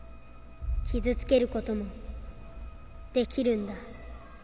傷つけることもできるんだ